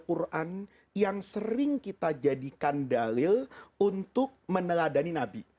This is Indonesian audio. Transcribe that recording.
quran yang sering kita jadikan dalil untuk meneladani nabi